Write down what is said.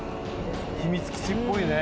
秘密基地っぽいね。